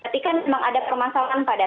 jadi kan memang ada permasalahan pada